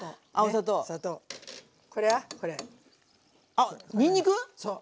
あっにんにく⁉そう。